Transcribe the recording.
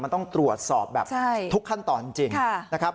มันต้องตรวจสอบแบบทุกขั้นตอนจริงนะครับ